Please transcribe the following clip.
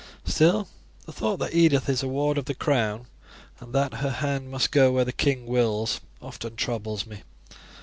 Still the thought that Edith is a ward of the crown, and that her hand must go where the king wills, often troubles me.